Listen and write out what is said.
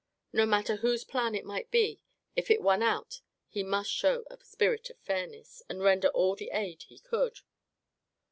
No matter whose plan it might be, if it won out he must show a spirit of fairness, and render all the aid he could.